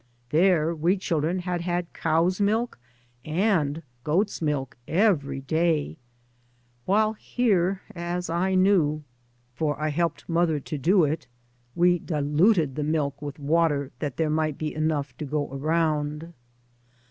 There we chil dren had had cow's milk and goat's milk every day, while here as I knew (for I helped zecbvGoogIc MY MOTHER AND I mother to do it) we diluted the milk with water that there might be enough to go around.